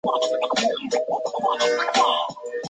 次年任万安县知县。